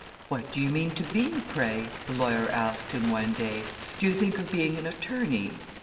"What do you mean to be, pray?" the lawyer asked him one day; "do you think of being an attorney?"